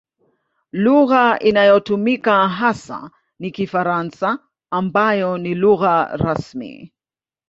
Lugha inayotumika hasa ni Kifaransa ambayo ni lugha rasmi.